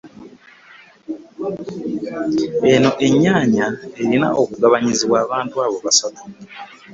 Eno enyanya erina okugabanyizibwa abantu abo abasatu